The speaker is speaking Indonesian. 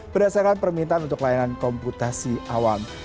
berdasarkan permintaan untuk layanan komputasi awam